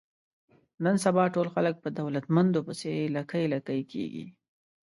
نن سبا ټول خلک په دولتمندو پسې لکۍ لکۍ کېږي.